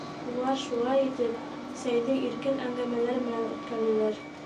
Улар, шулай итеп, сәйҙе иркен әңгәмәләр менән үткәрҙеләр.